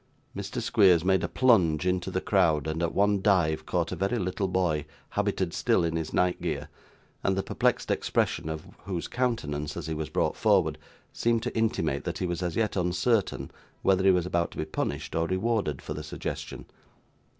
Mr. Squeers made a plunge into the crowd, and at one dive, caught a very little boy, habited still in his night gear, and the perplexed expression of whose countenance, as he was brought forward, seemed to intimate that he was as yet uncertain whether he was about to be punished or rewarded for the suggestion.